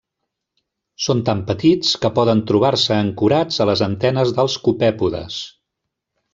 Són tan petits que poden trobar-se ancorats a les antenes dels copèpodes.